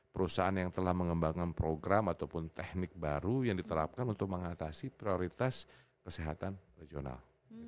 perusahaan yang telah mengembangkan program ataupun teknik baru yang diterapkan untuk mengatasi prioritas kesehatan regional